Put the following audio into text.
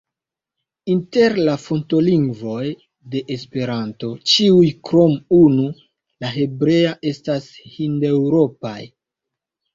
Inter la fontolingvoj de Esperanto ĉiuj krom unu, la hebrea, estas hindeŭropaj.